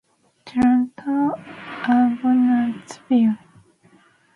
Toronto Argonauts bio